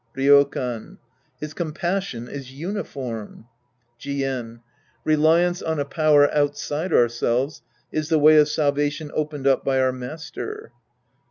Ryokan. His compassion is uniform. Jien. Reliance on a power outside ourselves is the way of salvation opened up by our master.